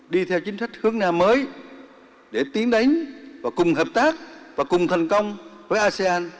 đi theo chính sách hướng nam mới để tiến đánh và cùng hợp tác và cùng thành công với asean